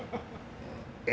え